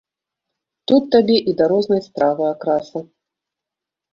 Тут табе і да рознай стравы акраса.